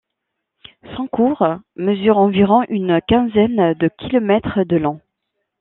Son cours mesure environ une quinzaine de kilomètres de long.